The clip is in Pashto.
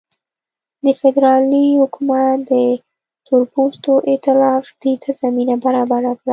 د فدرالي حکومت او تورپوستو اېتلاف دې ته زمینه برابره کړه.